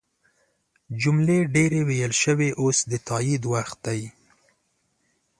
جملې ډیرې ویل شوي اوس د تایید وخت دی.